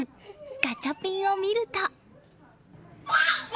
ガチャピンを見ると。